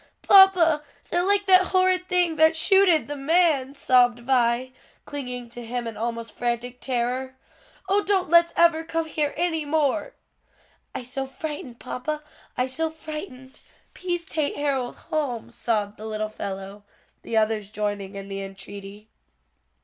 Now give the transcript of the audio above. "Papa, they's like that horrid thing that shooted the man," sobbed Vi, clinging to him in almost frantic terror. "Oh don't let's ever come here any more!" "I so frightened, papa, I so frightened; p'ease tate Harold home," sobbed the little fellow, the others joining in the entreaty.